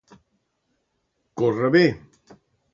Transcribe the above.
Córrer bé.